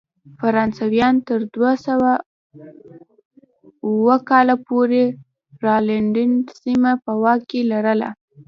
فرانسویانو تر دوه سوه اووه کال پورې راینلنډ سیمه په واک کې لرله.